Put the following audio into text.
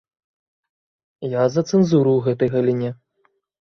Я за цэнзуру ў гэтай галіне.